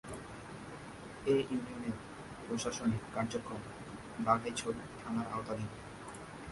এ ইউনিয়নের প্রশাসনিক কার্যক্রম বাঘাইছড়ি থানার আওতাধীন।